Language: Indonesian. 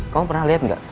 kamu pernah liat gak